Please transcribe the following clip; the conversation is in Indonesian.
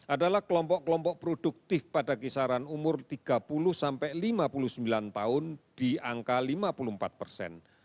adalah kelompok kelompok produktif pada kisaran umur tiga puluh sampai lima puluh sembilan tahun di angka lima puluh empat persen